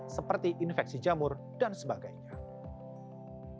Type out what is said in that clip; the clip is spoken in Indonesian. seperti infeksi jamur dan sebagainya